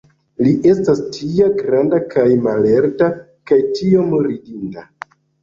Li estas tia granda kaj mallerta, kaj iom ridinda.